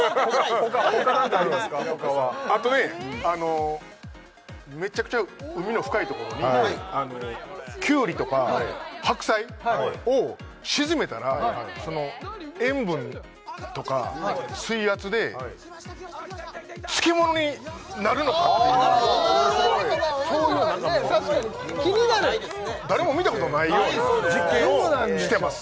ほか何かありますかほかはあとねめちゃくちゃ海の深いところにキュウリとか白菜を沈めたら塩分とか水圧で漬物になるのかっていう面白い確かに気になる誰も見たことのないような実験をしてます